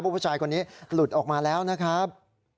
ผู้ชายคนนี้หลุดออกมาแล้วนะครับ